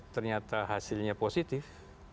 ternyata hasilnya positif